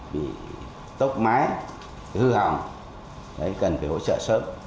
bị tốc mái hư hỏng cần phải hỗ trợ sớm